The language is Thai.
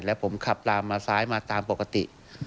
แล้วผมขับลามมาซ้ายมาตามปกติ